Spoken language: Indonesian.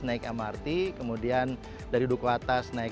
naik mrt kemudian dari duku atas naik